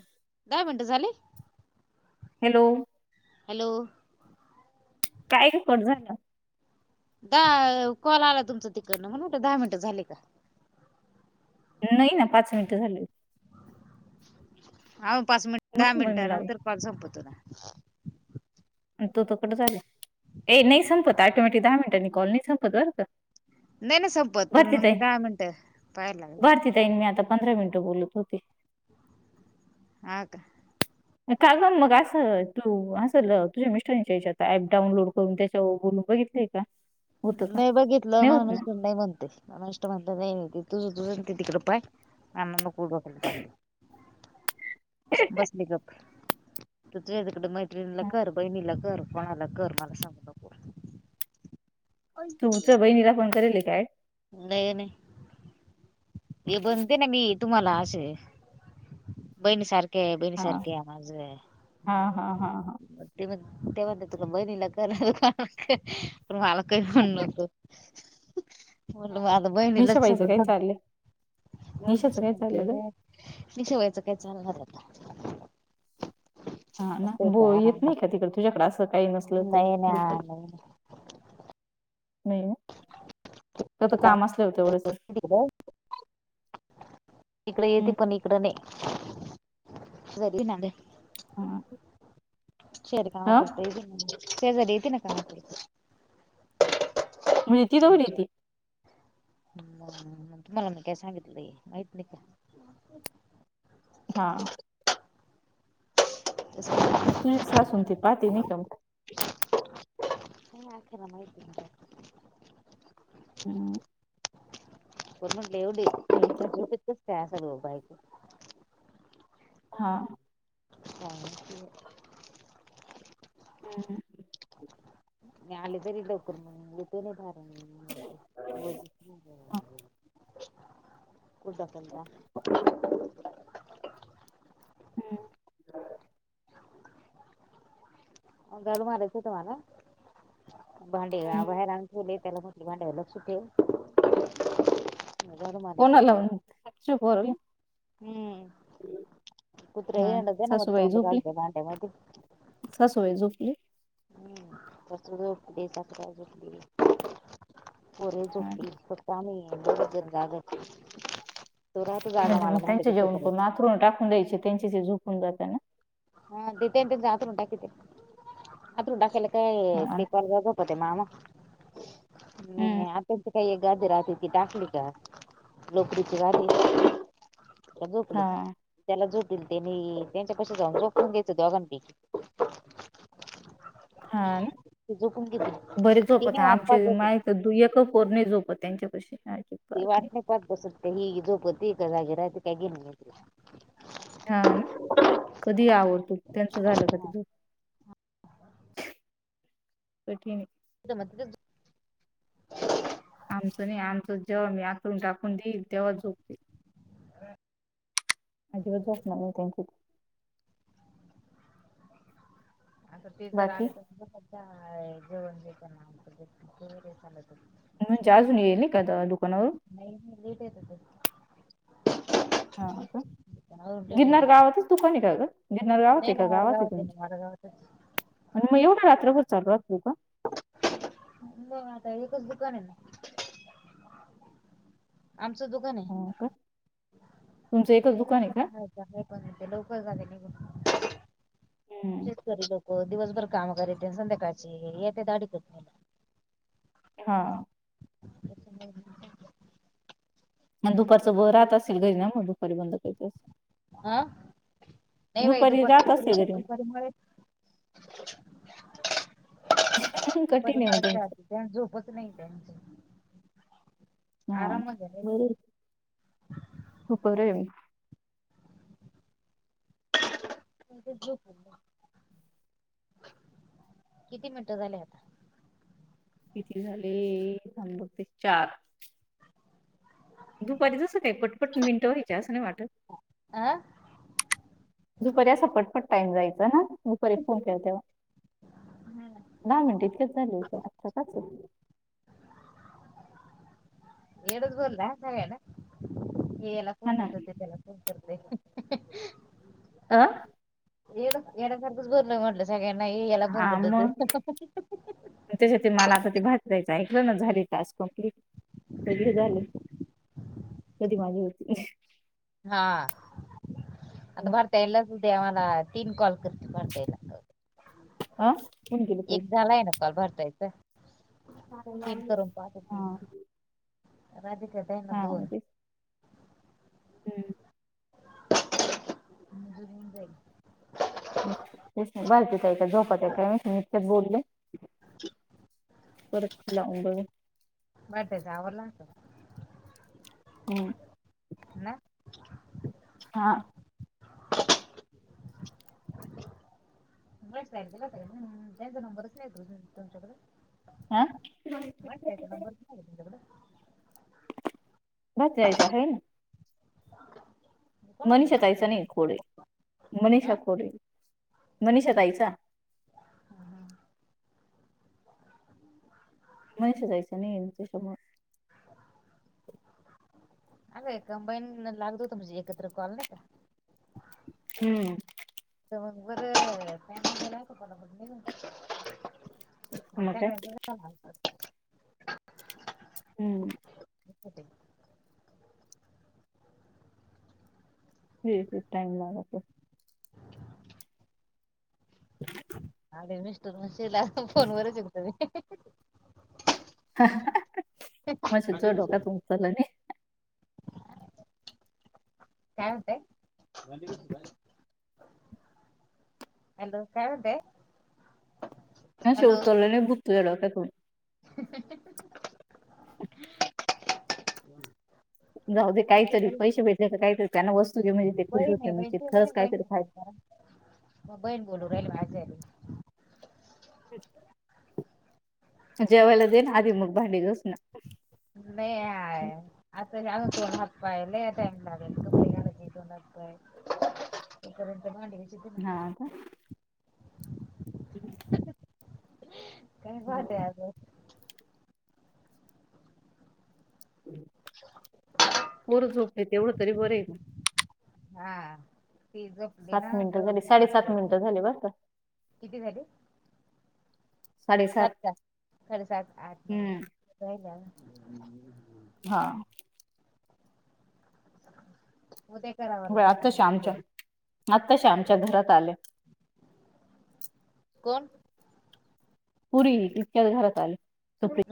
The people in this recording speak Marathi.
दहा मिनटं झाली. हॅलो. हॅलो. काय गं कट झाला. दा कॉल आला तुमचा तिकडनं, म्हणुन म्हटलं दहा मिंनट झाले का. नाहीं ना पाच मिनटं झाले. आजू पाच मिनट-दहा म्हणून मग मिनट, मी लावला नंतर कॉल संपत तुला. तू त कट झाल, ए नाई संपत अटोमॅटि दहा मिनिटांनी कॉल संपत बर का. नई ना संपत, पण भारती ताई मग दहा मिनटं पायला लागलं. भारती ताई नी मी आता पंधरा मिनिटं बोलत होते. हा, का. काग मग असं तू, असं ल तुज्या मिस्टरांच्या हेच्यात ऍप त्याच्याव बोलून बघितलेय का. [inaudible] नई बगितलं, नाही माझ होत ना मिस्टर नई म्हणतय. मिस्टर म्हणतात, ए तुझ-तुझ ति तीकड पाय आमाला नको डोक्याला ताप देऊ. बस की गप, तुझ्या तिकडे मै त्रिनीला कर, बहिणीला कर, कोणाला कर, मला सांगु नको. तुमचं बहिणीला फोन कराले काय? नाइय नइ. हे बनते ना मी तुमाला अशे बहिणी सारख. के हा बैनीसारखे माझोए हा हा हा हा. [unintelligible] तेव्हा तु बैहीणीला कर पण म मला काई खुन नको. [inaudible] म्हणलं म आता बहिणीलाच शोध निशाबाईचं काय चाललंय निशाचं काय शोधतोय चाललं ग व्हय. नि शेवायचं काय चालणार आता. हा ना असतंय बो ते येत आराम नइ का तिकड? तुझ्याकड असं काही नसल तर नाही ना ब नाही ना नइ ओ. [unintelligible] तिकड येती हम्म पण इकड नाय. हा शेद काम हा पुरत येती, शेजारी येती ना कामात? म्हणजे ती दोघी आमचे ती तुम्हाला बी काय सांगितलंय माहित नइ का? हा. [inaudible] तुझी सासून ते पाहते निकम. [unintelligible] [inaudible] [inaudible] [inaudible] [inaudible] त्या सर्व बाही हा. हा [inaudible] हहम. मी आले तरी लवकर [inaudible] [unintelligible] हम. [inaudible] गल मारायचं तुम्हाला? भांडे गा हम्म बाहेर आणू ठेवले. आपला भांड्यावर लक्ष ठेव. [unintelligible] मारायचे कोणाला हो? आमच्या पोराला? हम्म, कुत्रे हा येतात आणी तोंड घालतय भांडमध्ये. कसोय झोपली? [unintelligible] [inaudible] [unintelligible] पोरी हा झोपली फक्त आम्ही दोघेजण राहिलोय एकटी. तू रहा तू जागा मला पण भांडी घासूपर्यंत. हो टाकून द्यायचे त्यांचे ते झोपून जाता ना? ते त्यांचं ते अंथरून टाकते, अंथरून टाकायला काय? हा ना ते मामा नाही हम्म नाही आपण तर आता? [unintelligible] काही एक गादी राहते ती टाकली का? लोकरीची गादी आहे. झोपले हा त्याला झोपल त्यांनी त्यांच्या पा पायाशी जाऊन झोपून द्यायचं दोघांपैकी हा ती झोपून घेतील बर झोपत तिने हा वाट पाहत आमचे बसेल माय? तर एक ही पोर नाही झोपत त्यांच्या पाशी काय ते वाट नाही पाहत बसत ही झोपती की जागी राहाती काई घेणं नाही तिला हा ना कधीही आवर तू त्यांचं झालं की ते झोप कठीन आहे [unintelligible] आमचं नाही आमचं जेव्हा मी अंथरूण टाकून देईल तेव्हा झोपतील. अजिबात झोपणार नाही त्यांचे ते आता ते जर बाकी आले तर मग काय जेवण दे त्यांना मग कवरही चालतं म्हणजे अजून येईल नाही का दुकानावरून? नाही नाही लेट येता ते. हा का? आवरून लेट येते गिरनार गावातच दुकान आहे का ग? गिरनार गावात नाही आहे ना का गावात आहे वाडगावात ना तुमच्या? वाडगावातच आणि मग एवढा रात्रभर चालू राहत दुकान? मग आता एकच दुकान आहे ना. आमचं दुकान आहे हा का तुमचं ते एकच दुकान आहे का [unintelligible] आहे पण ते लवकर झाले हम्म. [inaudible] री लोक दिवसभर काम करी संध्याकाळचे येत्या [unintelligible] हा [inaudible] आणि दुपारचं ब राहत असेल घरी ना मग दुपारी बंद करीत असेल अं नाही बाई दुपारी दुपारचं राहत कुठ असेल घरी मग दुपारी मळ्यात कठीण आहे मग तुमचं त्या झोपच नाही त्यांची नाही बर आहे हो बर आहे बाई [inaudible] किती मिनिटं झाले आता? किती झाले थांब बघते चार. दुपारी जस काय पटपट मिनटं व्हायचे असं नाही वाटत? अं दुपारी असा पटपट टाईम जायच ना दुपारी फोन केला तेव्हा. दहा मिनट इतक्यात झाले होते आता पाच आहे येडचं भरलं ना सगळ्यांना हे याला फोन हा ना करतंय ते त्याला फो फोन करतंय अं येडं येड्यासारखंच बोलणं म्हटलं सगळ्यांना हे याला फोन करत ते आता त्याच्यात मला आता ते भारती ताईच ऐकलं ना झाले टास्क कंप्लीट सगळे झाले कधी माझे होतील? हां आता भारती ताईला च उद्या मला तीन कॉल करतील भारती ताई अ कोण गेले एक पैसे झालाय ना कॉल भारती ताई चा? तीन करून पाहते हा तीन राधिका ताईना हा मग दोन तेच हम्म माझं होऊन जाईल हम्म तेच न भारती ताई का झोपत्या काय माहित मी इतक्यात बोलले [inaudible] परत लाऊन बघ भारतीच आवरलं असलं? हम्म. ना हां व्यस्त आहे ना केला होता का त्यांचा नंबरच नाही का तुमच्याकडं? हा वर्षा ताईचा नंबर नाही का तुमच्याकडं? भारती ताईचा आहे ना. कोणाचा मनीषा नंबर दिला ताईचा नाही होता? खोडे मनीषा हा खोडे मनीषा ताईचा मनिषा ताईचा नाही त्याच्यामुळे अरे कंबाईन लागतं होत म्हणजे एकत्र कॉल नाही का? हम्म [inaudible] मग काय [inaudible] हम्म होते. व्यवस्तीत टाइम लागतो आणि मिस्टर म्हणतील अस मला फोन वरच मी [unintelligible] [inaudible] काय म्हणताय भांडी घासून झाली का? हॅलो काय म्हणताय? हॅलो [inaudible] [unintelligible] जाऊ दे काहीतरी पैसे भेटले का काहीतरी त्यांना वस्तू घे म्हणजे ते खुश बहीण आहे बहीण होते ते म्हणे खरंच बहीण काहीतरी कॉल फायदा करा मग बहीण बोलू राहिली माझी झाली. जेवला दे ना आधी मग भांडी घसना. नाही असंग कोण हप्पायला टाइम लागेल तु. [unintelligible] तोड हात पाय तोपर्यंत भांडी कशी हा का काय वालय अजुन. [unintelligible] पोरं झोपले तेवढं तरी बरं आहे. हा ती झोपली सात ना मिनिटं तर झाली साडे सात होते मिनिटं झाले बरं का. किती झाले? सात साडेसात का साडे सात आठ नऊ हम्म दहा किती राहीले आजून? हा उदया बघा आत्ताशी आमच्या आत्ताशी आमच्या घरात आले. कोण? पुरी तितक्याच घरात आली सुप. [unintelligible]